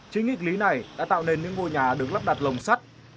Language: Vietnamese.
chính nghịch lý này đã tạo nên những ngôi nhà được lắp đặt lồng sắt